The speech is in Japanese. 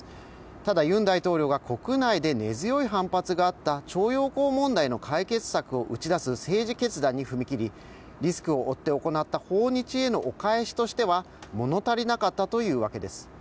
ただ、ユン大統領が国内で根強い反発があった徴用工問題の解決策を打ち出す決断に踏み切りリスクを負って行った訪日へのお返しとしては物足りなかったというわけです。